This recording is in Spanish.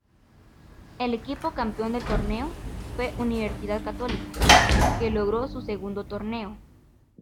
El equipo campeón del torneo fue Universidad Católica, que logró su segundo torneo.